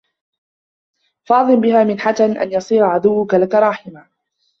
فَأَعْظِمْ بِهَا مِنْحَةً أَنْ يَصِيرَ عَدُوُّك لَك رَاحِمًا